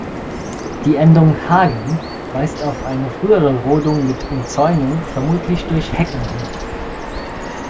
Die Endung "-hagen" weist auf eine frühere Rodung mit Umzäunung, vermutlich durch Hecken, hin.